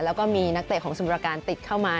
แล้วก็มีนักเตะของสมุทรประการติดเข้ามา